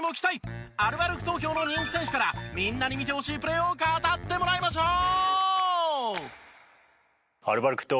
アルバルク東京の人気選手からみんなに見てほしいプレーを語ってもらいましょう！